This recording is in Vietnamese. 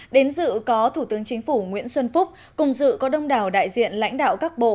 đến dự có thủ tướng chính phủ nguyễn xuân phúc cùng dự có đông đảo đại diện lãnh đạo các bộ